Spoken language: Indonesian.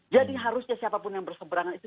jadi harusnya siapapun yang berseberangan itu